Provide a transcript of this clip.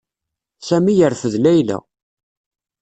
Sami yerfed Layla.